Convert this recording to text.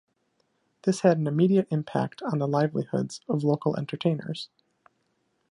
This had an immediate impact on the livelihoods of local entertainers.